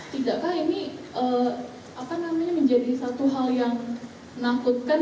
tidakkah ini akan namanya menjadi satu hal yang menakutkan